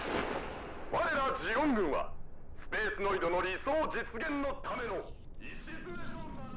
我らジオン軍はスペースノイドの理想実現のための礎とならん。